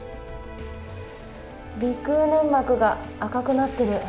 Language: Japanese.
鼻腔粘膜が赤くなってる。